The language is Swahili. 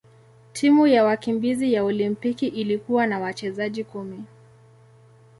Timu ya wakimbizi ya Olimpiki ilikuwa na wachezaji kumi.